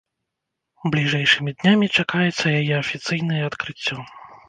Бліжэйшымі днямі чакаецца яе афіцыйнае адкрыццё.